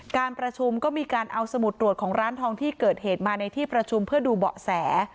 การประชุมก็มีการเอาสมุดตรวจของร้านทองที่เกิดเหตุมาในที่ประชุมเพื่อดูเบาะแส